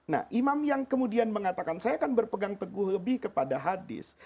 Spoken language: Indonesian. nah imam yang kemudian mengatakan saya akan berpegang teguh lebih kepada hadis